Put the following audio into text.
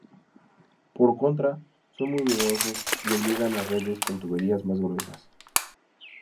Por contra son muy ruidosos y obligan a redes con tuberías más gruesas.